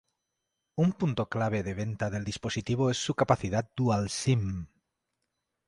Un punto clave de venta del dispositivo es su capacidad dual sim.